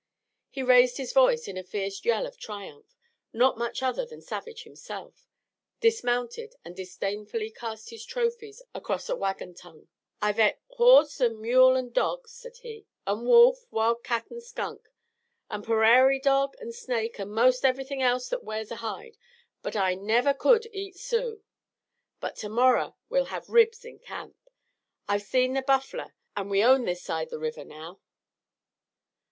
He raised his voice in a fierce yell of triumph, not much other than savage himself, dismounted and disdainfully cast his trophies across a wagon tongue. "I've et horse an' mule an' dog," said he, "an' wolf, wil'cat an' skunk, an' perrairy dog an' snake an' most ever'thing else that wears a hide, but I never could eat Sioux. But to morrer we'll have ribs in camp. I've seed the buffler, an' we own this side the river now."